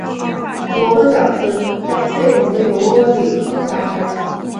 萝卜饺子在沸腾的油锅里烹炸而成。